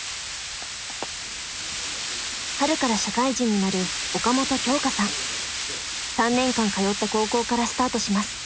春から社会人になる３年間通った高校からスタートします。